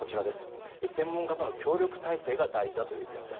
専門家との協力体制が大事だという点です。